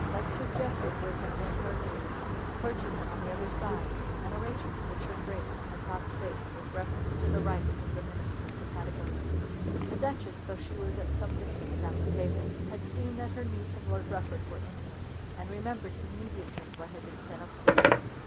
Old Sir Jeffrey should have been her neighbour, with the clergyman on the other side, an arrangement which Her Grace had thought safe with reference to the rights of the Minister to Patagonia. The Duchess, though she was at some distance down the table, had seen that her niece and Lord Rufford were intimate, and remembered immediately what had been said up stairs.